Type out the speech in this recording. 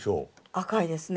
赤いですね。